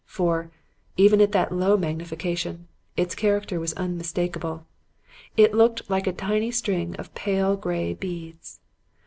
For, even at that low magnification, its character was unmistakable it looked like a tiny string of pale gray beads.